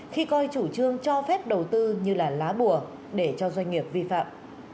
khi coi chủ trương cho phép đầu tư như lá bùa để cho doanh nghiệp vi phạm